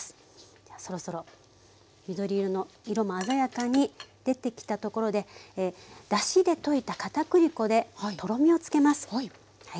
じゃあそろそろ緑色の色も鮮やかに出てきたところでだしで溶いた片栗粉でとろみをつけます。